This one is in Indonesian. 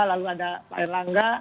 lalu ada pak erlangga